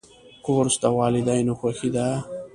کورس د والدینو خوښي ده.